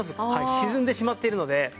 沈んでしまっているので。